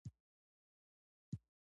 دا کار لا ډېر دقت او تحلیل ته اړتیا لري.